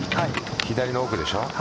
左の奥でしょう。